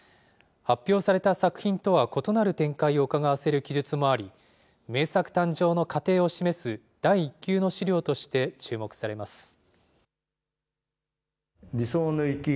発表された作品とは異なる展開をうかがわせる記述もあり、名作誕生の過程を示す第一級の資料として注目されます。